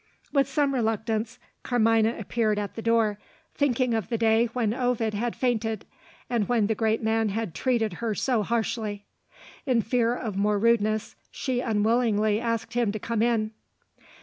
With some reluctance, Carmina appeared at the door; thinking of the day when Ovid had fainted, and when the great man had treated her so harshly. In fear of more rudeness, she unwillingly asked him to come in.